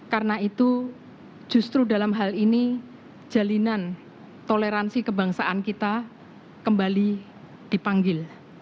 karena itu justru dalam hal ini jalinan toleransi kebangsaan kita kembali dipanggil